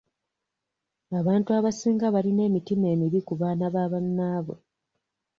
Abantu abasinga balina emitima emibi ku baana ba bannaabwe.